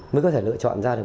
mới có thể lựa chọn ra được